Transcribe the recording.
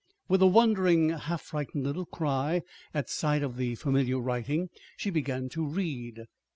With a wondering, half frightened little cry at sight of the familiar writing, she began to read.